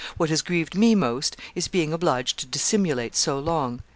What has grieved me most is being obliged to dissimulate so long."